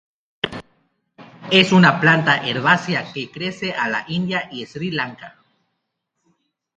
Es una planta herbácea que crece a la India y Sri Lanka.